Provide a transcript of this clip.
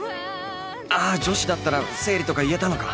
あ女子だったら生理とか言えたのか！？